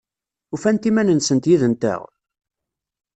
Ufant iman-nsent yid-nteɣ?